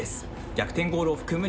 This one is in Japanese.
逆転ゴールを含む